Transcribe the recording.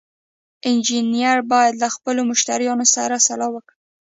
انجینر باید له خپلو مشتریانو سره سلا وکړي.